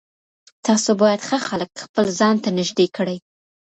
تاسو باید ښه خلک خپل ځان ته نږدې کړئ.